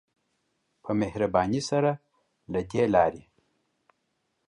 په مهربانی سره له دی لاری.